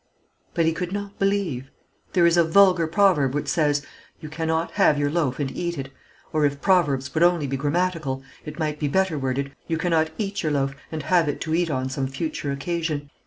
But he could not believe. There is a vulgar proverb which says, "You cannot have your loaf and eat it;" or if proverbs would only be grammatical, it might be better worded, "You cannot eat your loaf, and have it to eat on some future occasion."